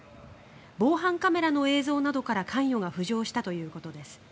防犯カメラの映像などから関与が浮上したということです。